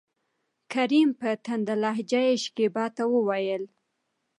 کريم : په تنده لهجه يې شکيبا ته وويل: